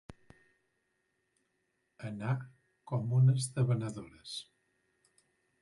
Anar com unes debanadores.